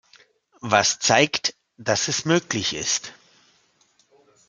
Was zeigt, dass es möglich ist.